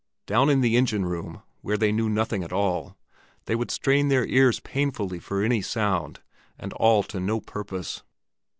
Down in the engine room, where they knew nothing at all, they would strain their ears painfully for any sound, and all to no purpose.